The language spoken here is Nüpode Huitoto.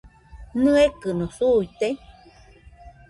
¿Nɨekɨno suite?